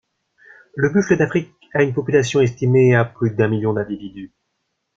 Le buffle d'Afrique a une population estimée à plus d'un million d'individus.